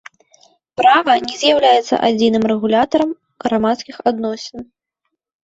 Права не з'яўляецца адзіным рэгулятарам грамадскіх адносін.